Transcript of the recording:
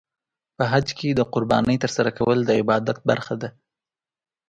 په حج کې د قربانۍ ترسره کول د عبادت برخه ده.